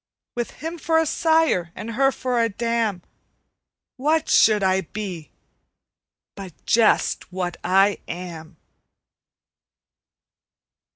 With him for a sire and her for a dam, What should I be but just what I am?